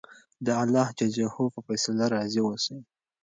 د اللهﷻ په فیصله راضي اوسئ.